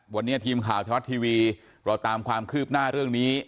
วันนี้ทีมข่าวชาวรัฐทีวีเราตามความคืบหน้าเรื่องนี้